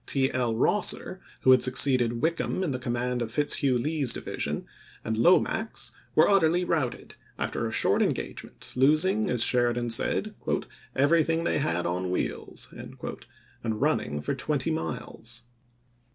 T. L. Eosser, who had succeeded Wickham in the command of Fitzhugh Lee's division, and Lomax were utterly routed, after a short engagement, losing, as Sheridan said, " everything they had on wheels," and running for twenty miles.